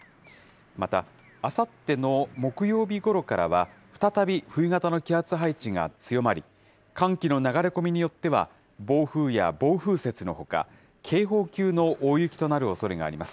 また、あさっての木曜日ごろからは、再び冬型の気圧配置が強まり、寒気の流れ込みによっては、暴風や暴風雪のほか、警報級の大雪となるおそれがあります。